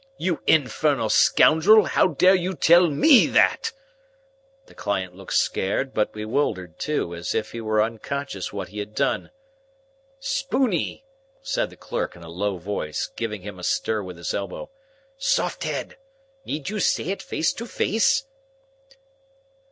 You infernal scoundrel, how dare you tell ME that?" The client looked scared, but bewildered too, as if he were unconscious what he had done. "Spooney!" said the clerk, in a low voice, giving him a stir with his elbow. "Soft Head! Need you say it face to face?"